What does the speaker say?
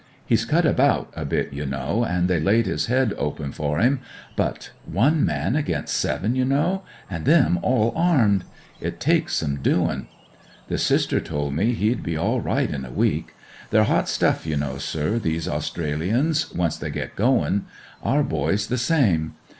He's cut about a bit, you know, and they laid his head open for him, but — one man against seven, you know, an' them all armed ! It takes some doin'. The Sister tol' me he'd be all right in a week. They're hot stuff, you know, sir, these Australians, once they get goin'. Our boys the same.